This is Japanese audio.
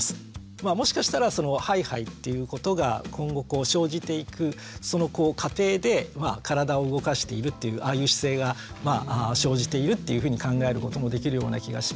まあもしかしたらそのハイハイっていうことが今後こう生じていくその過程で体を動かしているっていうああいう姿勢が生じているっていうふうに考えることもできるような気がしますし。